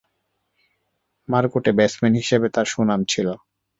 মারকুটে batsman হিসেবে তার সুনাম ছিল।